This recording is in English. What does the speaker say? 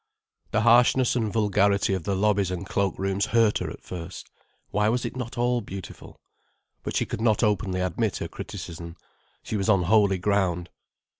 The harshness and vulgarity of the lobbies and cloak rooms hurt her at first. Why was it not all beautiful? But she could not openly admit her criticism. She was on holy ground.